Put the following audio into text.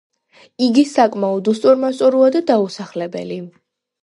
იგი საკმაოდ უსწორმასწოროა და დაუსახლებელი.